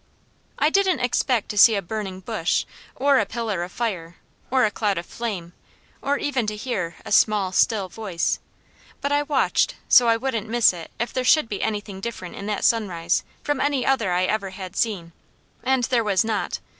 I didn't expect to see a burning bush, or a pillar of fire, or a cloud of flame, or even to hear a small, still voice; but I watched, so I wouldn't miss it if there should be anything different in that sunrise from any other I ever had seen, and there was not.